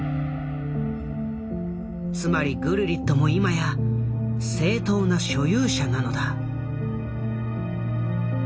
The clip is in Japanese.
つまりグルリットも今や正当な所有者なのだ。